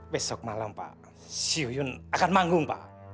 besok malam pak siu yun akan manggung pak